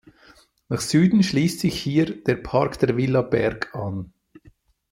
Nach Süden schließt sich hier der Park der Villa Berg an.